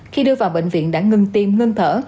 khi đưa vào bệnh viện đã ngưng tim ngưng thở